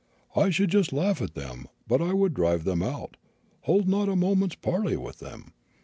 I should just laugh at them, but I would drive them out, hold not a moment's parley with them.